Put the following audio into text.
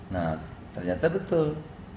nah ternyata betul